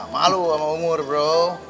malu sama umur bro